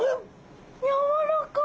やわらかい。